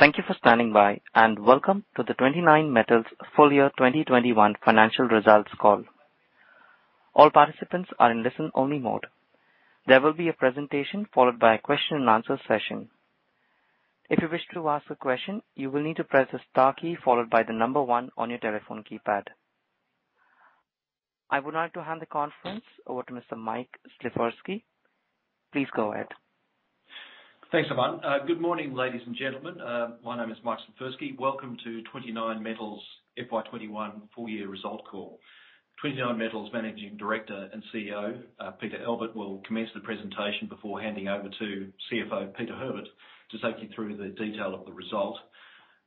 Thank you for standing by, and welcome to the 29Metals full year 2021 financial results call. All participants are in listen-only mode. There will be a presentation followed by a question and answer session. If you wish to ask a question, you will need to press the star key followed by the number 1 on your telephone keypad. I would like to hand the conference over to Mr. Michael Slifirski. Please go ahead. Thanks, Ivan. Good morning, ladies and gentlemen. My name is Michael Slifirski. Welcome to 29Metals FY 2021 full year result call. 29Metals Managing Director and CEO, Peter Albert will commence the presentation before handing over to CFO, Peter Herbert, to take you through the detail of the result.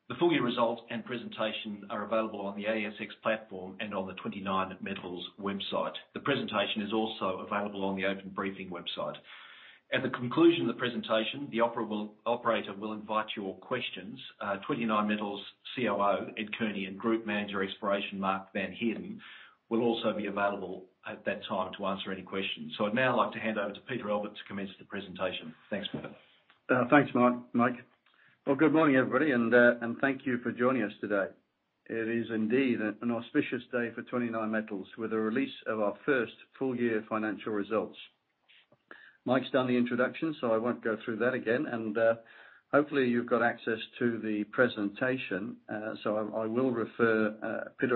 The full year result and presentation are available on the ASX platform and on the 29Metals website. The presentation is also available on the Open Briefing website. At the conclusion of the presentation, the operator will invite your questions. 29Metals COO, Ed Cooney, and Group Manager Exploration, Mark van Heerden, will also be available at that time to answer any questions. I'd now like to hand over to Peter Albert to commence the presentation. Thanks, Peter. Thanks, Mike. Well, good morning, everybody, and thank you for joining us today. It is indeed an auspicious day for 29Metals with the release of our first full year financial results. Mike's done the introduction, so I won't go through that again. Hopefully you've got access to the presentation. Peter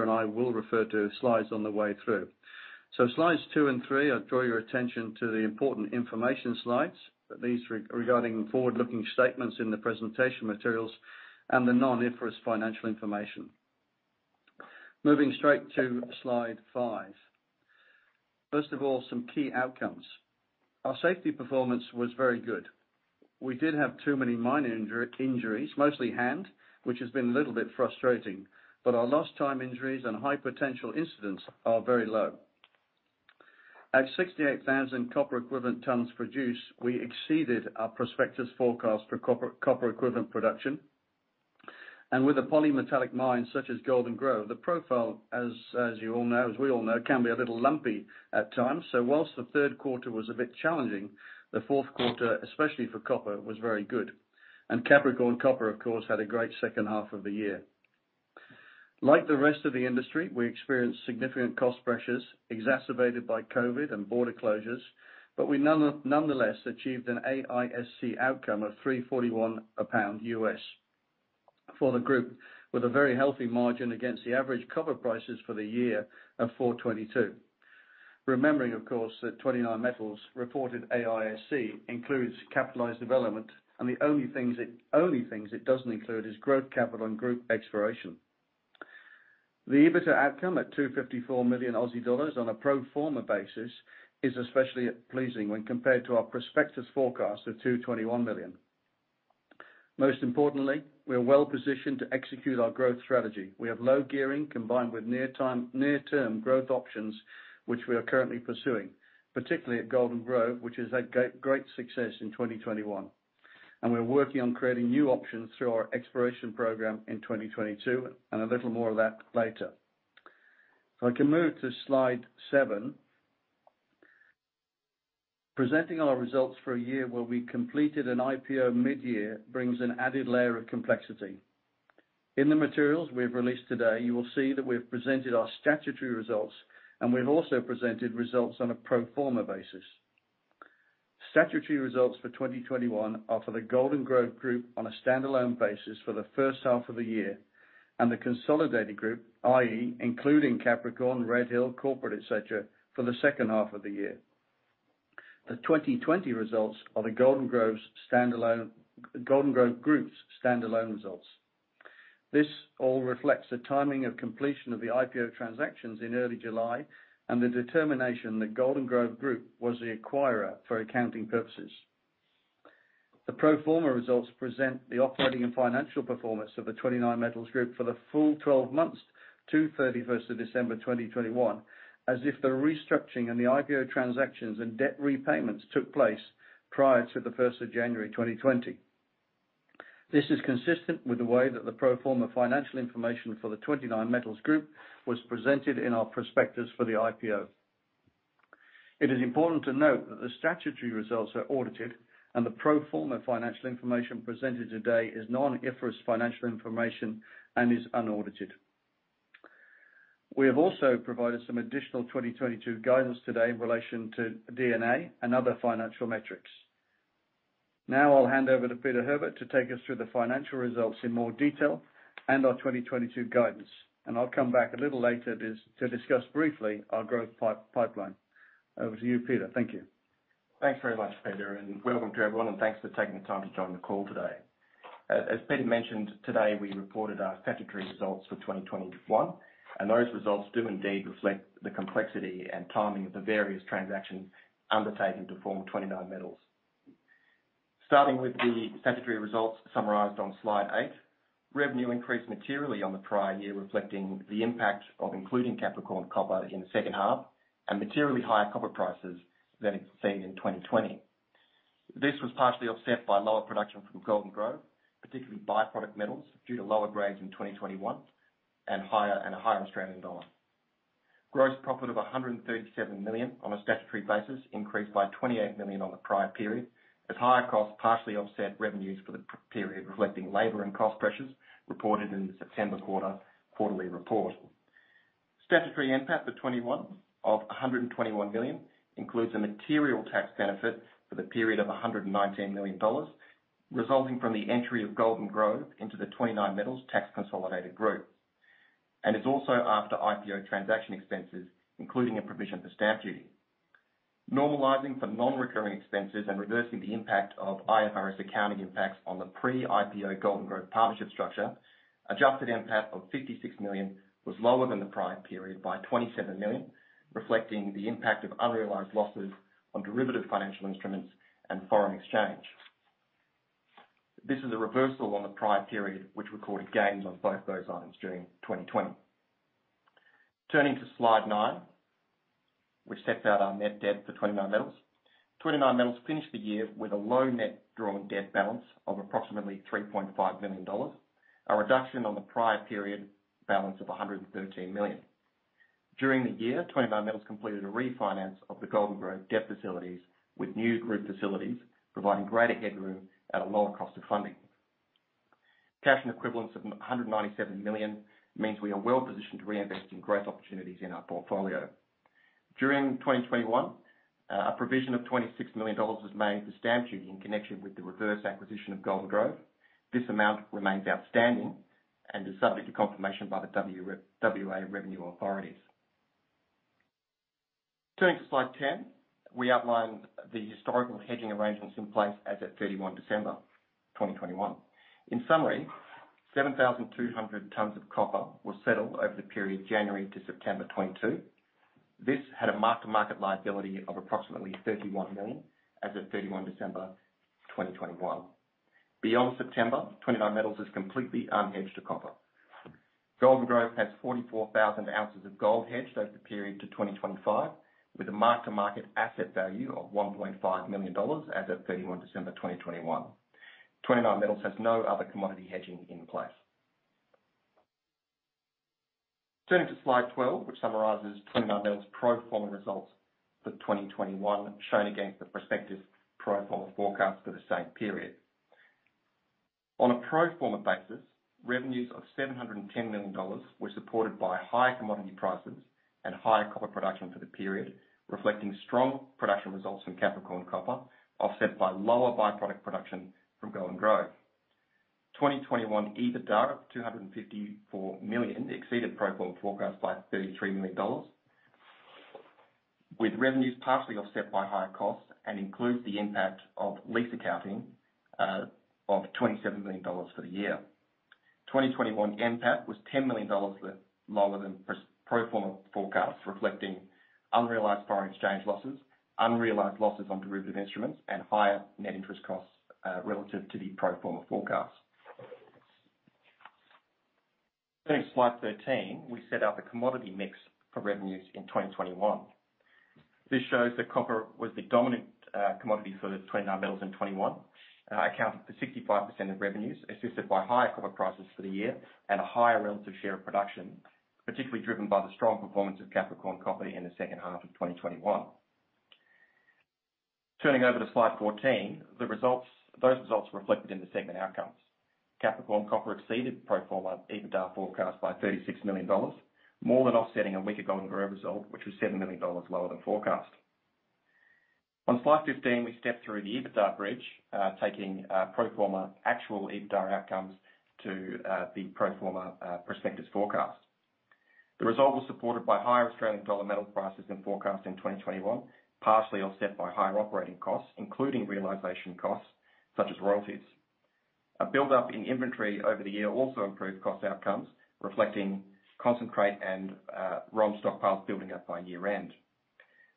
and I will refer to slides on the way through. Slides 2 and 3, I draw your attention to the important information slides. These regarding forward-looking statements in the presentation materials and the non-IFRS financial information. Moving straight to slide 5. First of all, some key outcomes. Our safety performance was very good. We did have too many minor injuries, mostly hand, which has been a little bit frustrating, but our lost time injuries and high potential incidents are very low. At 68,000 copper equivalent tons produced, we exceeded our prospectus forecast for copper equivalent production. With the polymetallic mines such as Golden Grove, the profile, as you all know, can be a little lumpy at times. While the third quarter was a bit challenging, the fourth quarter, especially for copper, was very good. Capricorn Copper, of course, had a great second half of the year. Like the rest of the industry, we experienced significant cost pressures exacerbated by COVID and border closures, but we nonetheless achieved an AISC outcome of $3.41 a pound US. For the group, with a very healthy margin against the average copper prices for the year of $4.22. Remembering, of course, that 29Metals reported AISC includes capitalized development, and the only things it doesn't include are growth capital and group exploration. The EBITDA outcome at 254 million Aussie dollars on a pro forma basis is especially pleasing when compared to our prospectus forecast of 221 million. Most importantly, we're well-positioned to execute our growth strategy. We have low gearing combined with near-term growth options, which we are currently pursuing, particularly at Golden Grove, which is a great success in 2021. We're working on creating new options through our exploration program in 2022, and a little more of that later. If I can move to slide 7. Presenting our results for a year where we completed an IPO mid-year brings an added layer of complexity. In the materials we've released today, you will see that we've presented our statutory results, and we've also presented results on a pro forma basis. Statutory results for 2021 are for the Golden Grove Group on a standalone basis for the first half of the year, and the consolidated group, i.e., including Capricorn, Red Hill, corporate, etc., for the second half of the year. The 2020 results are the Golden Grove Group's standalone results. This all reflects the timing of completion of the IPO transactions in early July and the determination that Golden Grove Group was the acquirer for accounting purposes. The pro forma results present the operating and financial performance of the 29Metals Group for the full 12 months to 31 December 2021, as if the restructuring and the IPO transactions and debt repayments took place prior to 1 January 2020. This is consistent with the way that the pro forma financial information for the 29Metals Group was presented in our prospectus for the IPO. It is important to note that the statutory results are audited and the pro forma financial information presented today is non-IFRS financial information and is unaudited. We have also provided some additional 2022 guidance today in relation to D&A and other financial metrics. Now I'll hand over to Peter Herbert to take us through the financial results in more detail and our 2022 guidance. I'll come back a little later to discuss briefly our growth pipeline. Over to you, Peter. Thank you. Thanks very much, Peter, and welcome to everyone, and thanks for taking the time to join the call today. As Peter mentioned, today we reported our statutory results for 2021, and those results do indeed reflect the complexity and timing of the various transactions undertaken to form 29Metals. Starting with the statutory results summarized on slide 8, revenue increased materially on the prior year, reflecting the impact of including Capricorn Copper in the second half and materially higher copper prices than we've seen in 2020. This was partially offset by lower production from Golden Grove, particularly by-product metals, due to lower grades in 2021 and a higher Australian dollar. Gross profit of 137 million on a statutory basis increased by 28 million on the prior period, as higher costs partially offset revenues for the period, reflecting labor and cost pressures reported in the September quarterly report. Statutory NPAT for 2021 of 121 million includes a material tax benefit for the period of 119 million dollars, resulting from the entry of Golden Grove into the 29Metals tax consolidated group. It's also after IPO transaction expenses, including a provision for stamp duty. Normalizing for non-recurring expenses and reversing the impact of IFRS accounting impacts on the pre-IPO Golden Grove partnership structure, adjusted NPAT of 56 million was lower than the prior period by 27 million, reflecting the impact of unrealized losses on derivative financial instruments and foreign exchange. This is a reversal on the prior period, which recorded gains on both those items during 2020. Turning to slide 9, which sets out our net debt for 29Metals. 29Metals finished the year with a low net drawn debt balance of approximately 3.5 million dollars, a reduction on the prior period balance of 113 million. During the year, 29Metals completed a refinance of the Golden Grove debt facilities with new group facilities, providing greater headroom at a lower cost of funding. Cash and equivalents of 197 million means we are well-positioned to reinvest in growth opportunities in our portfolio. During 2021, a provision of 26 million dollars was made for stamp duty in connection with the reverse acquisition of Golden Grove. This amount remains outstanding and is subject to confirmation by the WA revenue authorities. Turning to slide 10, we outlined the historical hedging arrangements in place as at 31 December 2021. In summary, 7,200 tons of copper were settled over the period January to September 2022. This had a mark-to-market liability of approximately 31 million as of 31 December 2021. Beyond September, 29Metals is completely unhedged to copper. Golden Grove has 44,000 ounces of gold hedged over the period to 2025, with a mark-to-market asset value of 1.5 million dollars as of 31 December 2021. 29Metals has no other commodity hedging in place. Turning to slide 12, which summarizes 29Metals' pro forma results for 2021, shown against the prospective pro forma forecast for the same period. On a pro forma basis, revenues of 710 million dollars were supported by higher commodity prices and higher copper production for the period, reflecting strong production results in Capricorn Copper, offset by lower byproduct production from Golden Grove. 2021 EBITDA of 254 million exceeded pro forma forecast by 33 million dollars, with revenues partially offset by higher costs and includes the impact of lease accounting of 27 million dollars for the year. 2021 NPAT was 10 million dollars lower than pro forma forecast, reflecting unrealized foreign exchange losses, unrealized losses on derivative instruments and higher net interest costs relative to the pro forma forecast. Turning to slide 13, we set out the commodity mix for revenues in 2021. This shows that copper was the dominant, commodity for 29Metals in 2021, accounted for 65% of revenues, assisted by higher copper prices for the year and a higher relative share of production, particularly driven by the strong performance of Capricorn Copper in the second half of 2021. Turning over to slide 14, the results reflected in the segment outcomes. Capricorn Copper exceeded pro forma EBITDA forecast by 36 million dollars, more than offsetting a weaker Golden Grove result, which was 7 million dollars lower than forecast. On slide 15, we step through the EBITDA bridge, taking pro forma actual EBITDA outcomes to the pro forma prospectus forecast. The result was supported by higher Australian dollar metal prices than forecast in 2021, partially offset by higher operating costs, including realization costs such as royalties. A buildup in inventory over the year also improved cost outcomes, reflecting concentrate and ROM stockpiles building up by year-end.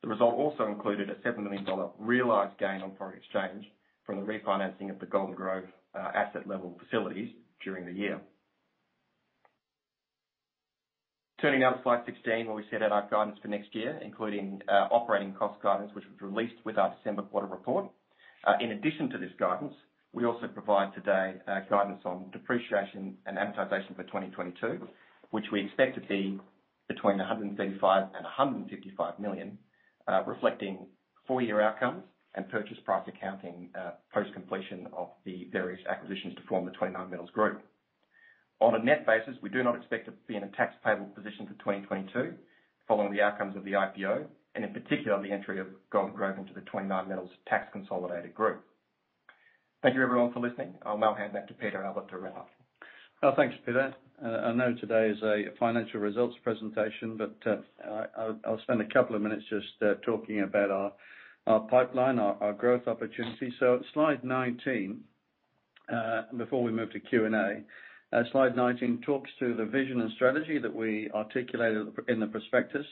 The result also included an 7 million dollar realized gain on foreign exchange from the refinancing of the Golden Grove asset level facilities during the year. Turning now to slide 16, where we set out our guidance for next year, including operating cost guidance, which was released with our December quarter report. In addition to this guidance, we also provide today guidance on depreciation and amortization for 2022, which we expect to be between 135 million and 155 million, reflecting full-year outcomes and purchase price accounting post-completion of the various acquisitions to form the 29Metals group. On a net basis, we do not expect to be in a tax payable position for 2022 following the outcomes of the IPO and in particular, the entry of Golden Grove into the 29Metals tax consolidated group. Thank you everyone for listening. I'll now hand back to Peter Albert to wrap up. Oh, thanks, Peter. I know today is a financial results presentation, but I'll spend a couple of minutes just talking about our pipeline, our growth opportunity. Slide 19, before we move to Q&A. Slide 19 talks to the vision and strategy that we articulated in the prospectus,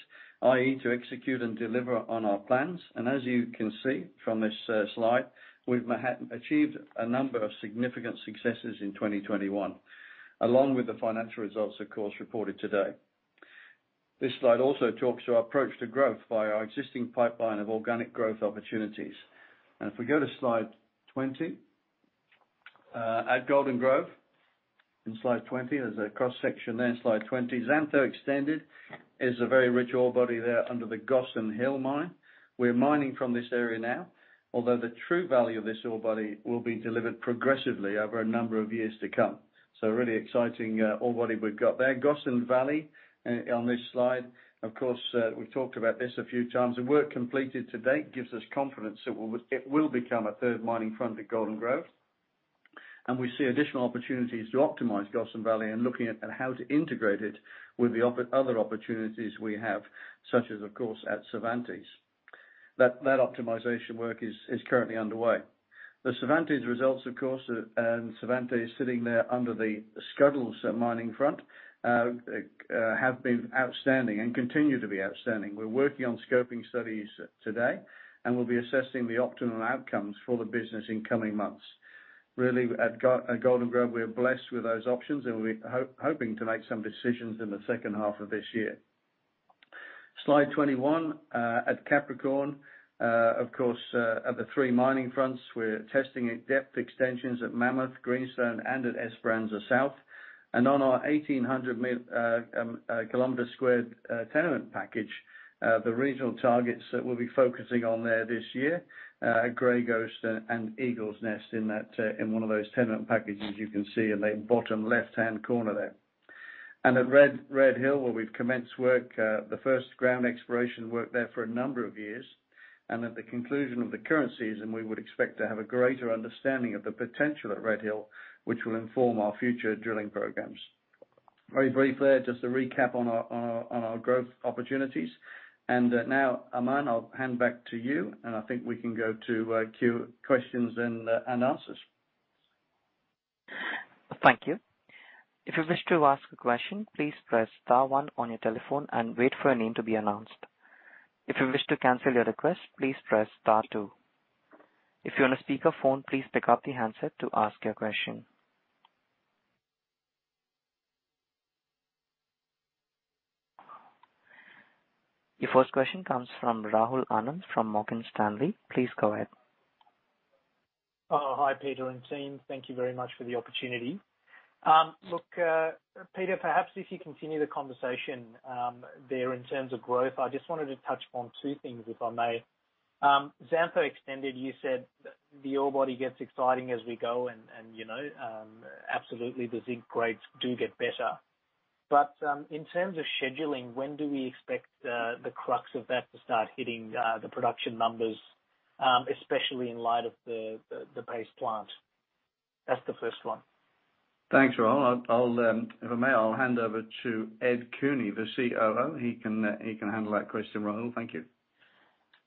i.e., to execute and deliver on our plans. As you can see from this slide, we've achieved a number of significant successes in 2021, along with the financial results, of course, reported today. This slide also talks to our approach to growth via our existing pipeline of organic growth opportunities. If we go to slide 20, at Golden Grove in slide 20, there's a cross-section there in slide 20. Xantho Extended is a very rich ore body there under the Gossan Hill mine. We're mining from this area now, although the true value of this ore body will be delivered progressively over a number of years to come. Really exciting ore body we've got there. Gossan Valley on this slide, of course, we've talked about this a few times. The work completed to date gives us confidence that it will become a third mining front at Golden Grove, and we see additional opportunities to optimize Gossan Valley and looking at how to integrate it with the other opportunities we have, such as, of course, at Cervantes. That optimization work is currently underway. The Cervantes results, of course, and Cervantes sitting there under the Scuddles mining front have been outstanding and continue to be outstanding. We're working on scoping studies today, and we'll be assessing the optimal outcomes for the business in coming months. Really at Golden Grove, we are blessed with those options, and we're hoping to make some decisions in the second half of this year. Slide 21, at Capricorn, of course, at the three mining fronts, we're testing depth extensions at Mammoth, Greenstone, and at Esperanza South. On our 1,800 km² tenement package, the regional targets that we'll be focusing on there this year, at Grey Ghost and Eagle's Nest in that, in one of those tenement packages you can see in the bottom left-hand corner there. At Red Hill, where we've commenced work, the first ground exploration work there for a number of years. At the conclusion of the current season, we would expect to have a greater understanding of the potential at Red Hill, which will inform our future drilling programs. Very briefly, just to recap on our growth opportunities. Now, Aman, I'll hand back to you, and I think we can go to questions and answers. Thank you. If you wish to ask a question, please press star one on your telephone and wait for your name to be announced. If you wish to cancel your request, please press star two. If you're on a speaker phone, please pick up the handset to ask your question. Your first question comes from Rahul Anand from Morgan Stanley. Please go ahead. Oh, hi, Peter and team. Thank you very much for the opportunity. Look, Peter, perhaps if you continue the conversation there in terms of growth, I just wanted to touch on two things, if I may. Scuddles Extended, you said the ore body gets exciting as we go, and you know, absolutely the zinc grades do get better. But in terms of scheduling, when do we expect the crux of that to start hitting the production numbers, especially in light of the paste plant? That's the first one. Thanks, Rahul. If I may, I'll hand over to Ed Cooney, the COO. He can handle that question, Rahul. Thank you.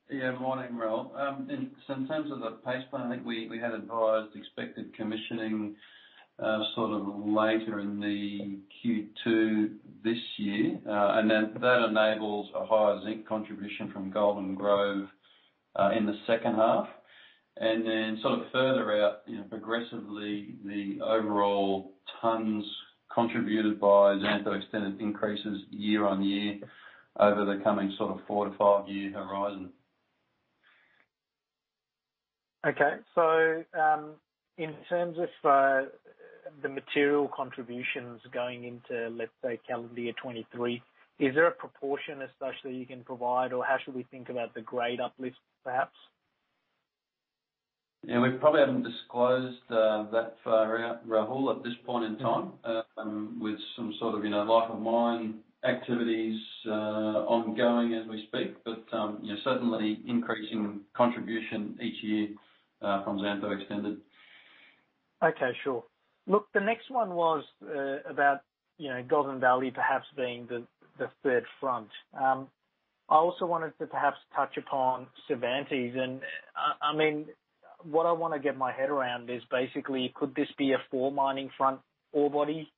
Yeah. Morning, Rahul. In terms of the paste plant, I think we had advised expected commissioning sort of later in the Q2 this year. That enables a higher zinc contribution from Golden Grove in the second half. Further out, you know, progressively, the overall tons contributed by Scuddles Extended increases year-over-year over the coming sort of 4-5-year horizon. Okay. In terms of the material contributions going into, let's say, calendar year 2023, is there a proportion as such that you can provide, or how should we think about the grade uplift, perhaps? Yeah. We probably haven't disclosed that far out, Rahul, at this point in time, with some sort of life of mine activities ongoing as we speak, certainly increasing contribution each year from Capricorn Copper. Okay. Sure. Look, the next one was about Gossan Valley perhaps being the third front. I also wanted to perhaps touch upon Cervantes. What I wanna get my head around is basically could this be a four mining front ore body,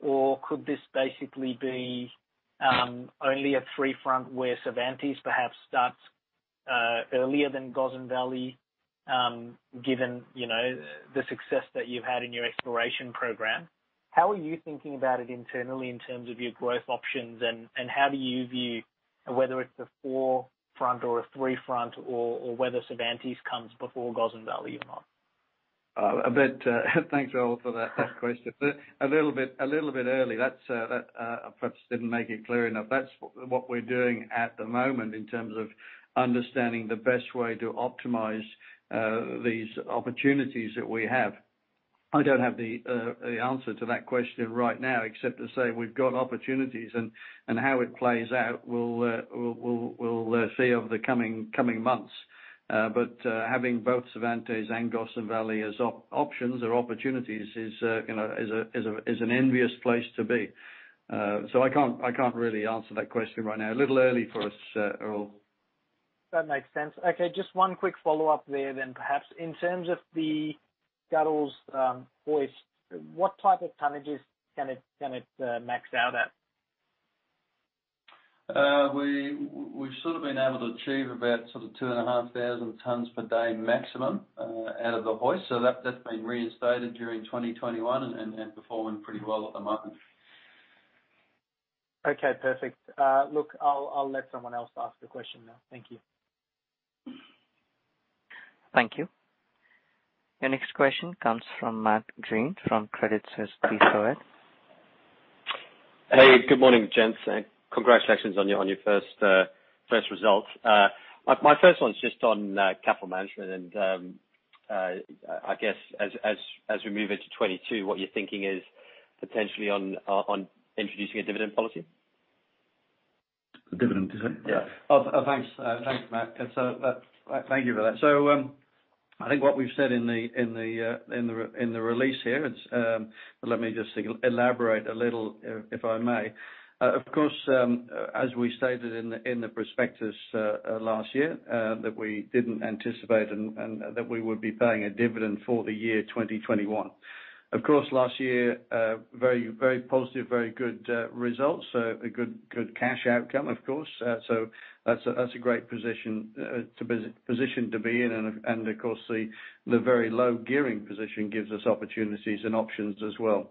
or could this basically be only a three front where Cervantes perhaps starts earlier than Gossan Valley, given the success that you've had in your exploration program? How are you thinking about it internally in terms of your growth options, and how do you view whether it's a four front or a three front or whether Cervantes comes before Gossan Valley or not? Thanks, Rahul, for that question. A little bit early. That's perhaps I didn't make it clear enough. That's what we're doing at the moment in terms of understanding the best way to optimize these opportunities that we have. I don't have the answer to that question right now, except to say we've got opportunities and how it plays out, we'll see over the coming months. Having both Cervantes and Gossan Valley as options or opportunities is an enviable place to be. I can't really answer that question right now. A little early for us, Rahul. That makes sense. Okay, just one quick follow-up there then, perhaps. In terms of the Scuddles hoist, what type of tonnages can it max out at? We've sort of been able to achieve about sort of 2,500 tons per day maximum out of the hoist. That's been reinstated during 2021 and performing pretty well at the moment. Okay, perfect. Look, I'll let someone else ask the question now. Thank you. Thank you. Your next question comes from Matt Greene from Credit Suisse. Go ahead. Hey, good morning, gents. Congratulations on your first results. My first one's just on capital management. As we move into 2022, what you're thinking is potentially on introducing a dividend policy. The dividend, is it? Yeah. Thanks, Matt. Thank you for that. What we've said in the release here, it's let me just elaborate a little if I may. Of course, as we stated in the prospectus last year, that we didn't anticipate and that we would be paying a dividend for the year 2021. Of course, last year, very positive, very good results. A good cash outcome, of course. That's a great position to be in. Of course, the very low gearing position gives us opportunities and options as well.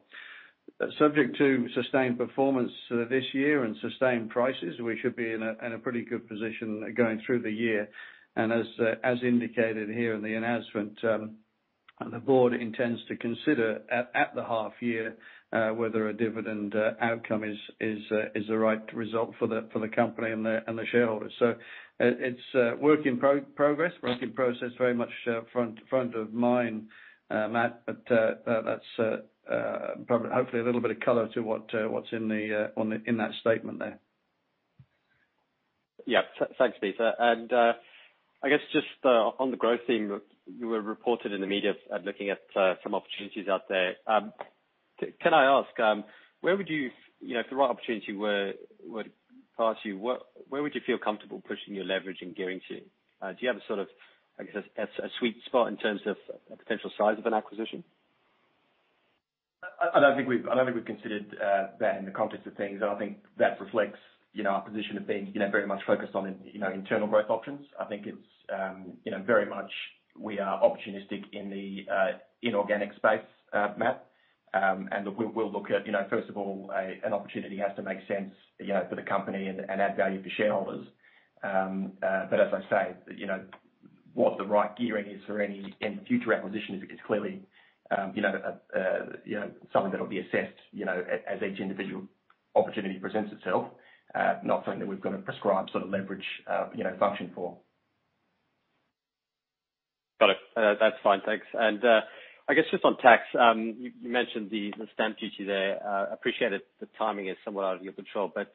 Subject to sustained performance this year and sustained prices, we should be in a pretty good position going through the year. As indicated here in the announcement, the board intends to consider at the half year whether a dividend outcome is the right result for the company and the shareholders. It's a work in progress, very much front of mind, Matt. That's probably hopefully a little bit of color to what's in that statement there. Thanks, Peter. I guess just on the growth theme, you were reported in the media looking at some opportunities out there. Can I ask where would you know, if the right opportunity were passed to you, where would you feel comfortable pushing your leverage and gearing to? Do you have a sort of, I guess, a sweet spot in terms of potential size of an acquisition? I don't think we've considered that in the context of things. I think that reflects our position of being very much focused on, internal growth options. I think it's very much we are opportunistic in the inorganic space, Matt. We'll look at, first of all, an opportunity has to make sense for the company and add value for shareholders. I say what the right gearing is for any future acquisition is, it's clearly something that will be assessed as each individual opportunity presents itself, not something that we've got a prescribed sort of leverage function for. Got it. That's fine. Thanks. I guess just on tax, you mentioned the stamp duty there. Appreciate that the timing is somewhat out of your control, but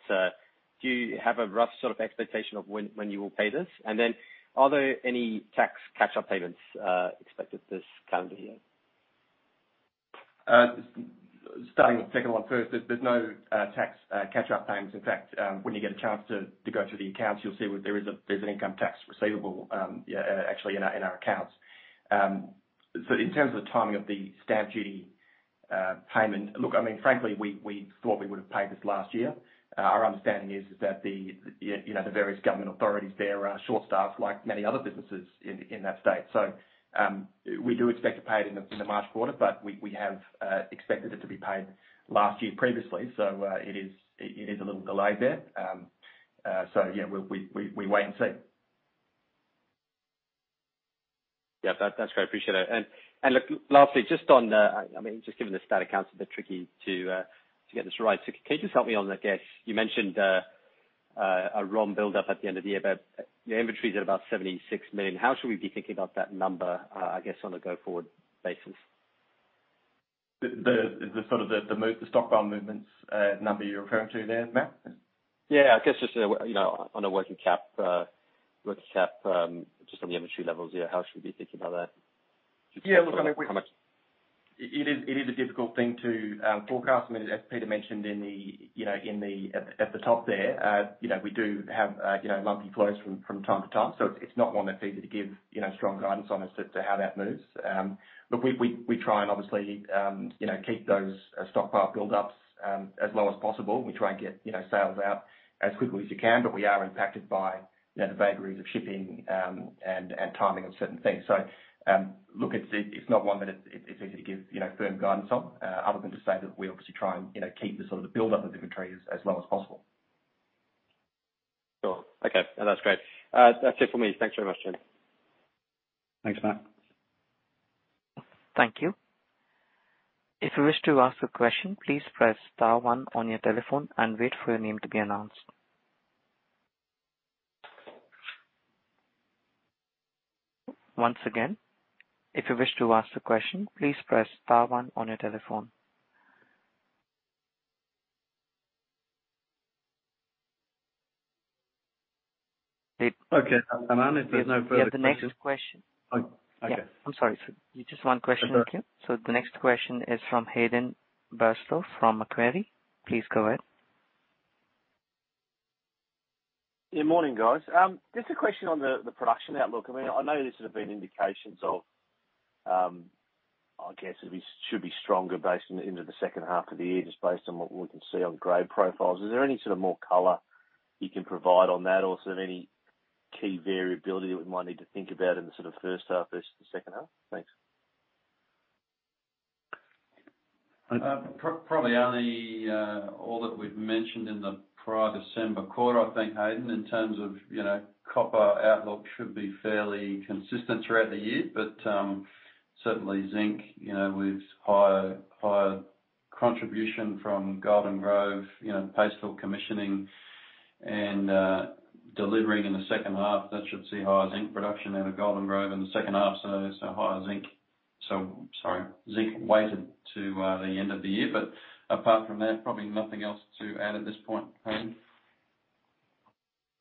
do you have a rough sort of expectation of when you will pay this? Then are there any tax catch-up payments expected this calendar year? Starting with the second one first, there's no tax catch-up payments. In fact, when you get a chance to go through the accounts, you'll see there's an income tax receivable, yeah, actually in our accounts. In terms of the timing of the stamp duty payment, look frankly, we thought we would have paid this last year. Our understanding is that you know the various government authorities there are short staffed like many other businesses in that state. We do expect to pay it in the March quarter, but we have expected it to be paid last year previously. It is a little delayed there. Yeah, we wait and see. Yeah, that's great. Appreciate it. Look, lastly, just given the statutory accounts, a bit tricky to get this right. Can you just help me on you mentioned a ROM build up at the end of the year, but your inventory is at about 76 million. How should we be thinking about that number, I guess on a go forward basis? The sort of stockpile movements number you're referring to there, Matt? Yeah, on a working cap, just on the inventory levels here, how should we be thinking about that? Yeah, look, I mean. How much- It is a difficult thing to forecast. As Peter mentioned in the at the top there we do have you know lumpy flows from time to time. It's not one that's easy to give you know strong guidance on as to how that moves. Look, we try and obviously you know keep those stockpile buildups as low as possible. We try and get sales out as quickly as you can, but we are impacted by you know the vagaries of shipping and timing of certain things. Look, it's not one that it's easy to give firm guidance on, other than to say that we obviously try and keep the sort of the buildup of inventory as low as possible. Sure. Okay. That's great. That's it for me. Thanks very much, gents. Thanks, Matt. Thank you. If you wish to ask a question, please press star one on your telephone and wait for your name to be announced. Once again, if you wish to ask a question, please press star one on your telephone. Okay, Aman, if there's no further questions. We have the next question. Oh, okay. Yeah. I'm sorry. Just one question. Thank you. That's all right. The next question is from Hayden Bairstow from Macquarie. Please go ahead. Yeah, morning, guys. Just a question on the production outlook. I know this would have been indications of, it should be stronger based on the end of the second half of the year, just based on what we can see on grade profiles. Is there any sort of more color you can provide on that or sort of any key variability that we might need to think about in the sort of first half versus the second half? Thanks. Probably only all that we've mentioned in the prior December quarter, I think, Hayden, in terms of copper outlook should be fairly consistent throughout the year. Certainly zinc with higher contribution from Golden Grove paste plant commissioning and delivering in the second half, that should see higher zinc production out of Golden Grove in the second half. Higher zinc. Zinc weighted to the end of the year. Apart from that, probably nothing else to add at this point, Hayden.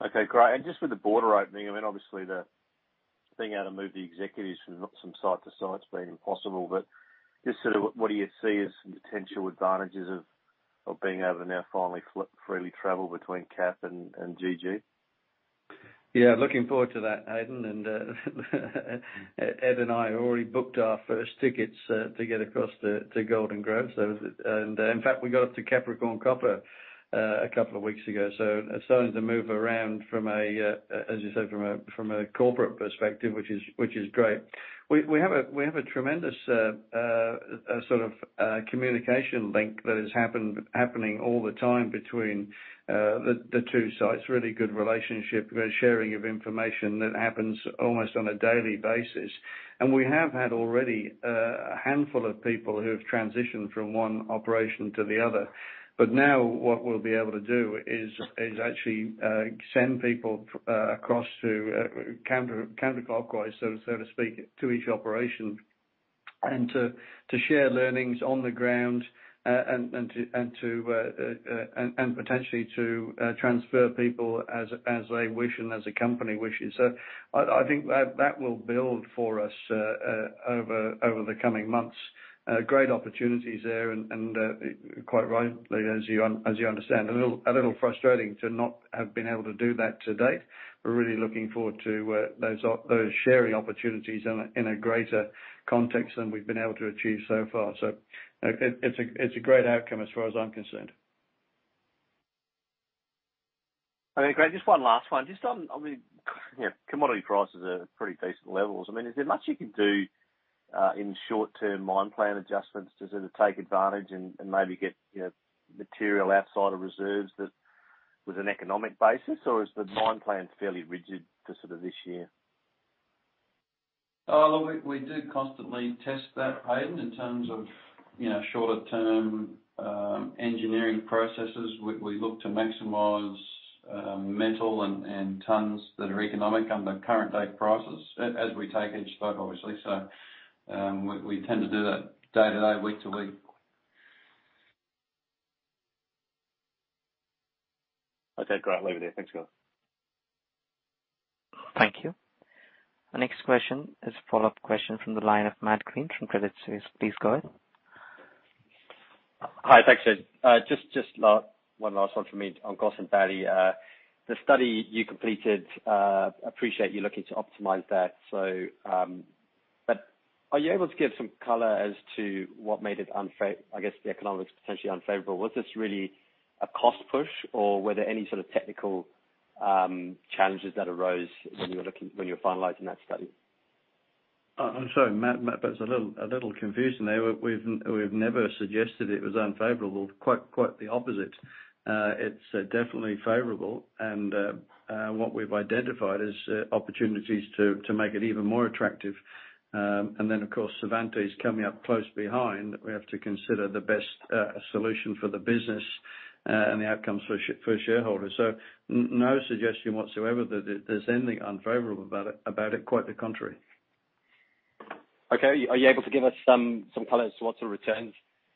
Okay, great. Just with the border opening obviously the being able to move the executives from some site to site has been impossible. What do you see as some potential advantages of being able to now finally freely travel between Cap and GG? Yeah, looking forward to that, Hayden. Ed and I already booked our first tickets to get across to Golden Grove. In fact, we got up to Capricorn Copper a couple of weeks ago. Starting to move around from a, as you said, from a corporate perspective, which is great. We have a tremendous sort of communication link that is happening all the time between the two sites. Really good relationship. We're sharing of information that happens almost on a daily basis. We have had already a handful of people who have transitioned from one operation to the other. Now what we'll be able to do is actually send people across to counterclockwise, so to speak, to each operation, and to share learnings on the ground, and to potentially transfer people as they wish and as a company wishes. I think that will build for us over the coming months. Great opportunities there and quite rightly, as you understand. A little frustrating to not have been able to do that to date. We're really looking forward to those sharing opportunities in a greater context than we've been able to achieve so far. So it is a great outcome as far as I'm concerned. Okay, great. Just one last one. Just on the commodity prices are pretty decent levels. Is there much you can do in short-term mine plan adjustments to sort of take advantage and maybe get material outside of reserves that with an economic basis? Or is the mine plan fairly rigid to sort of this year? We do constantly test that, Hayden, in terms of shorter-term engineering processes. We look to maximize metal and tons that are economic under current metal prices as we take each stope, obviously. We tend to do that day to day, week to week. Okay, great. I'll leave it there. Thanks, guys. Thank you. Our next question is a follow-up question from the line of Matt Greene from Credit Suisse. Please go ahead. Hi. Thanks, gents. Just one last one from me on Gossan Valley. The study you completed, I appreciate you looking to optimize that. But are you able to give some color as to what made it unfavorable? I guess the economics potentially unfavorable. Was this really a cost push or were there any sort of technical challenges that arose when you were finalizing that study? I'm sorry, Matt, but it's a little confusing there. We've never suggested it was unfavorable. Quite the opposite. It's definitely favorable, and what we've identified is opportunities to make it even more attractive. Then of course, Cervantes coming up close behind, we have to consider the best solution for the business, and the outcomes for shareholders. No suggestion whatsoever that there's anything unfavorable about it, quite the contrary. Okay. Are you able to give us some color as to what sort of returns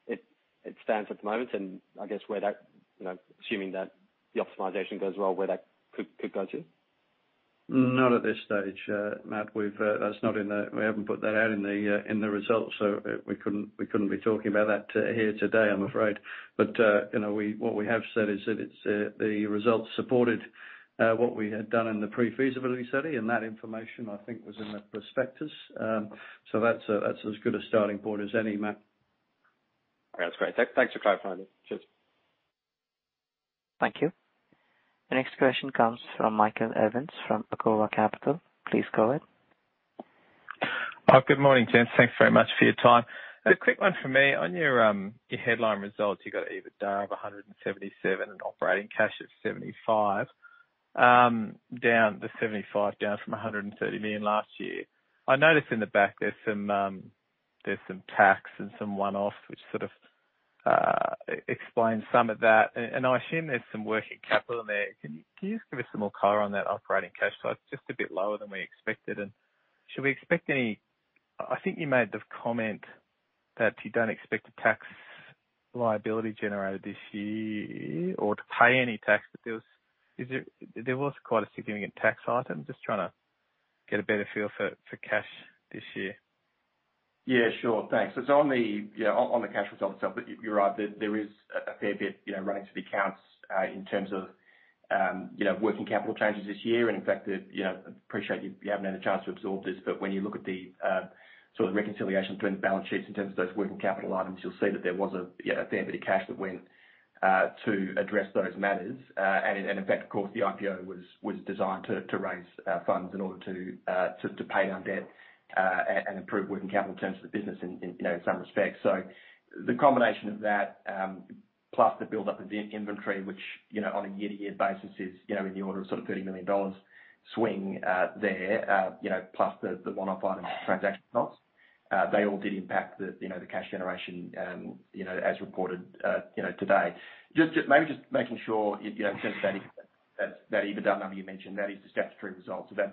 it stands at the moment? Assuming that the optimization goes well, where that could go to? Not at this stage, Matt. We haven't put that out in the results, so we couldn't be talking about that here today, I'm afraid. You know, what we have said is that the results supported what we had done in the pre-feasibility study, and that information I think was in the prospectus. That's as good a starting point as any, Matt. That's great. Thanks for clarifying. Cheers. Thank you. The next question comes from Michael Evans from Acova Capital. Please go ahead. Good morning, gents. Thanks very much for your time. A quick one from me. On your headline results, you've got EBITDA of 177 million and operating cash of 75 million, the 75 million down from 130 million last year. I noticed in the back there's some tax and some one-offs which sort of explain some of that. I assume there's some working capital in there. Can you just give us some more color on that operating cash side? It's just a bit lower than we expected. Should we expect any? I think you made the comment that you don't expect a tax liability generated this year or to pay any tax, but there was quite a significant tax item. Just trying to get a better feel for cash this year. Yeah, sure. Thanks. It's on the cash result itself. You're right. There is a fair bit running through the accounts in terms of working capital changes this year, and in fact, I appreciate you haven't had a chance to absorb this, but when you look at the sort of reconciliation between the balance sheets in terms of those working capital items, you'll see that there was a fair bit of cash that went to address those matters. In fact, of course, the IPO was designed to raise funds in order to pay down debt and improve working capital in terms of the business in some respects. The combination of that, plus the build up of the inventory, which on a year-to-year basis is in the order of sort of 30 million dollars swing there plus the one-off item transaction costs, they all did impact the cash generation as reported today. Just making sure in terms of that EBITDA number you mentioned, that is the statutory result. That's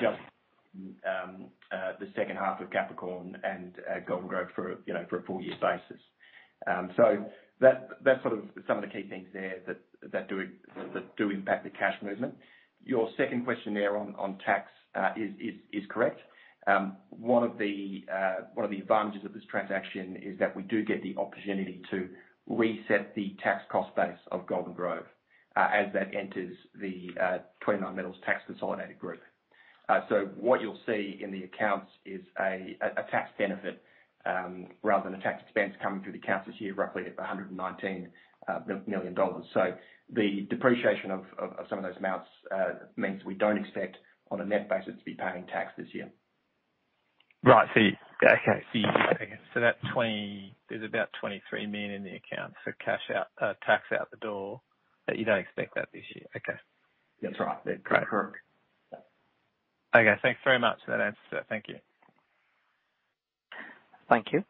just the second half of Capricorn and Golden Grove for a full year basis. That's some of the key things there that do impact the cash movement. Your second question there on tax is correct. One of the advantages of this transaction is that we do get the opportunity to reset the tax cost base of Golden Grove as that enters the 29Metals tax consolidated group. What you'll see in the accounts is a tax benefit rather than a tax expense coming through the accounts this year, roughly 119 million dollars. The depreciation of some of those amounts means we don't expect on a net basis to be paying tax this year. There's about 23 million in the account for cash out, tax out the door, but you don't expect that this year. Okay. That's right. Great. Correct. Yeah. Okay, thanks very much for that answer. Thank you. Thank you.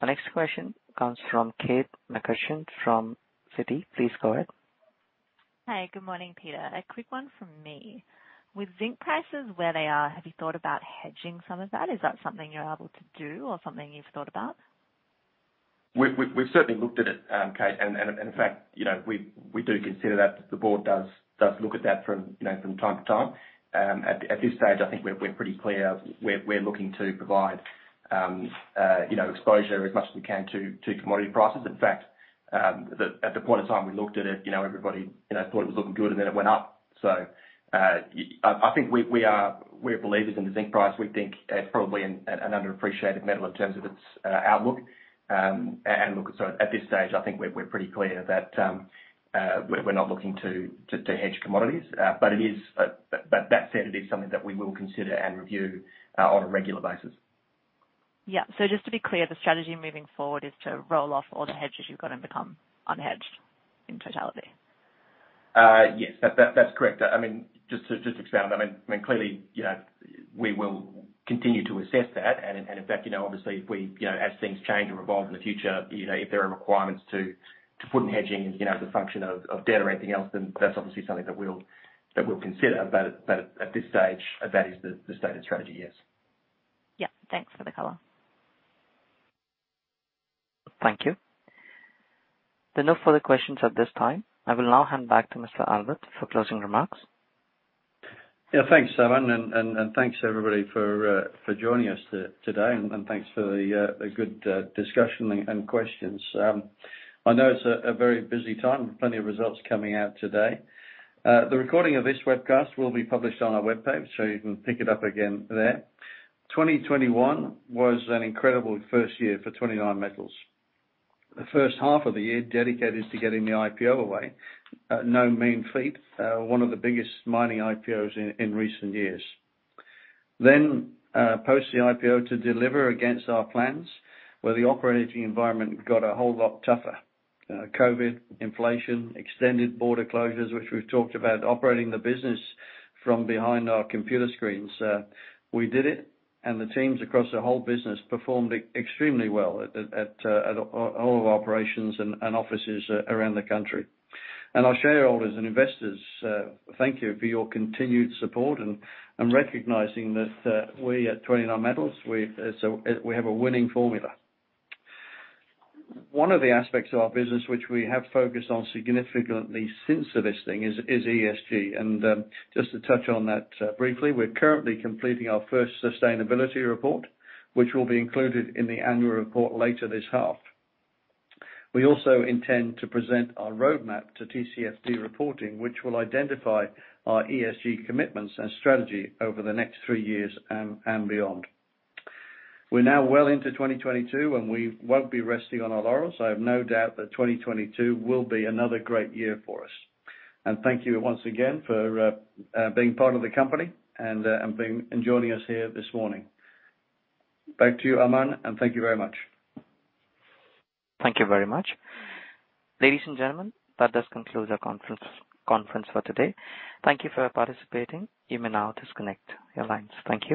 Our next question comes from Kate McCutcheon from Citi. Please go ahead. Hi. Good morning, Peter. A quick one from me. With zinc prices where they are, have you thought about hedging some of that? Is that something you're able to do or something you've thought about? We've certainly looked at it, Kate, and in fact we do consider that. The board does look at that from time to time. At this stage, I think we're pretty clear we're looking to provide exposure as much as we can to commodity prices. In fact, at the point of time we looked at it, everybody thought it was looking good, and then it went up. I think we are believers in the zinc price. We think it probably an underappreciated metal in terms of its outlook. Look, at this stage, I think we're pretty clear that we're not looking to hedge commodities. That said, it is something that we will consider and review on a regular basis. Yeah. Just to be clear, the strategy moving forward is to roll off all the hedges you've got and become unhedged in totality. Yes. That's correct. I mean, just to expand, I mean clearly we will continue to assess that. In fact obviously as things change and evolve in the future, if there are requirements to put in hedging as a function of debt or anything else, then that's obviously something that we'll consider. But at this stage, that is the stated strategy, yes. Yeah. Thanks for the color. Thank you. There are no further questions at this time. I will now hand back to Mr. Albert for closing remarks. Yeah, thanks, Aman, and thanks everybody for joining us today, and thanks for the good discussion and questions. I know it's a very busy time. Plenty of results coming out today. The recording of this webcast will be published on our webpage, so you can pick it up again there. 2021 was an incredible first year for 29Metals. The first half of the year was dedicated to getting the IPO away. No mean feat. One of the biggest mining IPOs in recent years. Post the IPO to deliver against our plans, where the operating environment got a whole lot tougher. COVID, inflation, extended border closures, which we've talked about, operating the business from behind our computer screens. We did it, and the teams across the whole business performed extremely well at all of our operations and offices around the country. Our shareholders and investors, thank you for your continued support and recognizing that we at 29Metals, we have a winning formula. One of the aspects of our business which we have focused on significantly since listing is ESG. Just to touch on that briefly, we're currently completing our first sustainability report, which will be included in the annual report later this half. We also intend to present our roadmap to TCFD reporting, which will identify our ESG commitments and strategy over the next three years and beyond. We're now well into 2022, and we won't be resting on our laurels. I have no doubt that 2022 will be another great year for us. Thank you once again for being part of the company and joining us here this morning. Back to you, Aman, and thank you very much. Thank you very much. Ladies and gentlemen, that does conclude our conference for today. Thank you for participating. You may now disconnect your lines. Thank you.